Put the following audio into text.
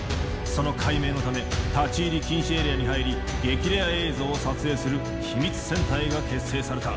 その解明のため立ち入り禁止エリアに入り激レア映像を撮影する秘密戦隊が結成された。